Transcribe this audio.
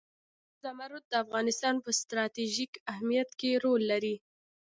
زمرد د افغانستان په ستراتیژیک اهمیت کې رول لري.